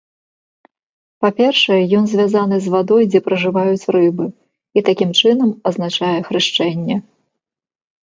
Па першае, ён звязаны з вадой, дзе пражываюць рыбы, і такім чынам азначае хрышчэнне.